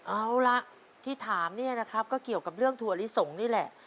เอาล่ะที่ถามเนี่ยนะครับก็เกี่ยวกับเรื่องถั่วลิสงนี่แหละ